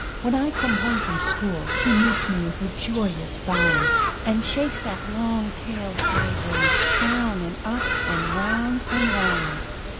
When I come home from school he meets me with a joyous bound, And shakes that long tail sideways, down and up, and round and round.